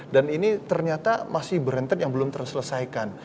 dan ini ternyata masih berhentai yang belum terselesaikan